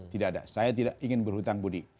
tidak ada saya tidak ingin berhutang budi